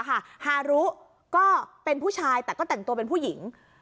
ฮารุก็เป็นผู้ชายแต่ก็แต่งตัวเป็นผู้หญิง